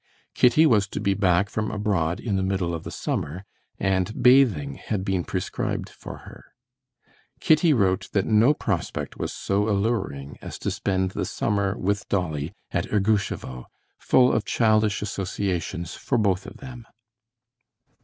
Kitty was to be back from abroad in the middle of the summer, and bathing had been prescribed for her. Kitty wrote that no prospect was so alluring as to spend the summer with Dolly at Ergushovo, full of childish associations for both of them.